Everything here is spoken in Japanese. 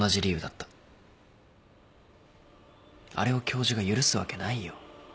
あれを教授が許すわけないよ。